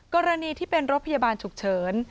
กรณีที่เป็นรถพยาบาลฉุกเฉิน